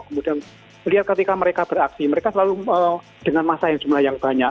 kemudian melihat ketika mereka beraksi mereka selalu dengan masa yang jumlah yang banyak